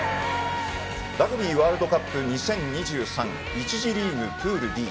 ラグビーワールドカップ２０２３１次リーグ、プールＤ。